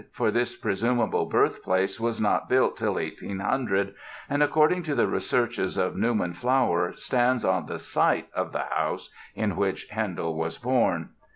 For this presumable "birthplace" was not built till 1800 and, according to the researches of Newman Flower, stands on the site of the house in which Handel was born.